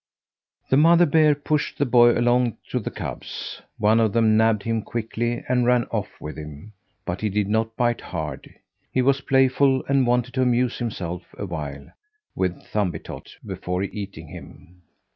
The mother bear pushed the boy along to the cubs. One of them nabbed him quickly and ran off with him; but he did not bite hard. He was playful and wanted to amuse himself awhile with Thumbietot before eating him.